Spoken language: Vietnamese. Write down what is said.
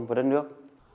và đất nước